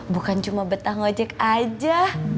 bukan cuma betah ngojek aja